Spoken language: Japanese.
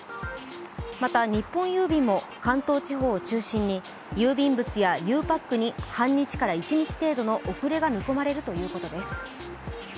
また日本郵便も関東地方を中心に郵便物やゆうパックに半日から１日程度の遅れが見込まれるということです。